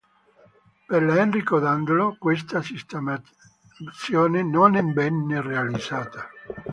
Per la "Enrico Dandolo" questa sistemazione non venne realizzata.